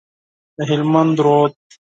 د هلمند رود،